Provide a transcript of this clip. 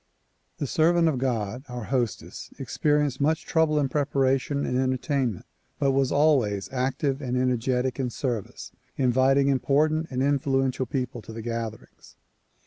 The servant of God, our hostess, experienced much trouble in preparation and entertain ment but was always active and energetic in service, inviting important and influential people to the gatherings.